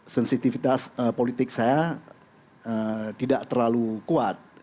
sensitivitas politik saya tidak terlalu kuat